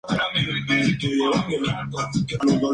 Pese a ser una villa, La Laguna no tenía cabildo.